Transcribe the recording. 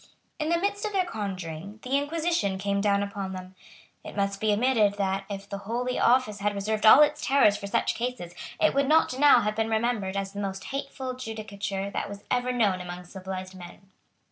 In the midst of their conjuring, the Inquisition came down upon them. It must be admitted that, if the Holy Office had reserved all its terrors for such cases, it would not now have been remembered as the most hateful judicature that was ever known among civilised men.